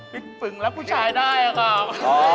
ฟิตปึงรับผู้ชายได้ครับ